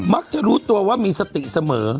จะรู้ตัวว่ามีสติเสมอ